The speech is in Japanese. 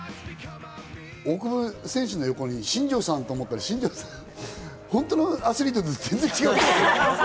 大久保選手の横に新庄さんかと思ったら、本当のアスリートと全然違う。